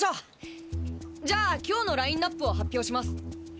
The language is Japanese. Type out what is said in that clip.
じゃあ今日のラインナップを発表します。